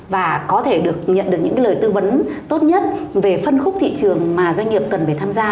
và có thể nhận được những lời tư vấn tốt nhất về phân khúc thị trường mà doanh nghiệp cần phải tham gia